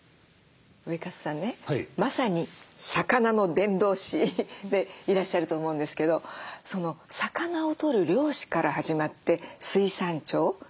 ウエカツさんねまさに魚の伝道師でいらっしゃると思うんですけど魚を取る漁師から始まって水産庁で調理法も詳しいでしょ。